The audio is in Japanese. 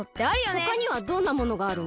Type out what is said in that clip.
ほかにはどんなものがあるの？